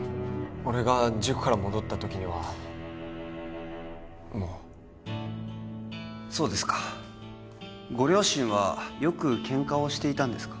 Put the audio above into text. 俺が塾から戻った時にはもうそうですかご両親はよくケンカをしていたんですか？